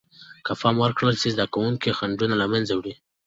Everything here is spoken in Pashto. که پام ورکړل سي، زده کوونکي خنډونه له منځه وړي.